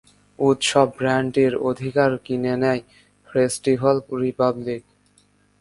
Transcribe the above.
উৎসব ব্র্যান্ডটির অধিকার কিনে নেয় ফেস্টিভাল রিপাবলিক।